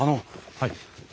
はい。